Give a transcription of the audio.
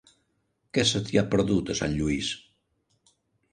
Què se t'hi ha perdut, a Sant Lluís?